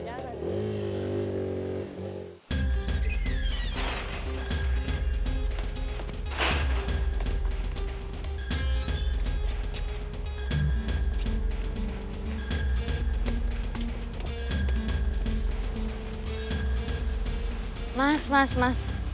tuh kan aku bilang juga apa